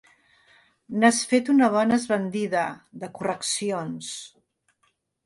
N'has fet una bona esbandida, de correccions.